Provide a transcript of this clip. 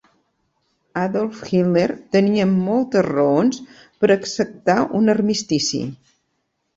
Adolf Hitler tenia moltes raons per acceptar un armistici.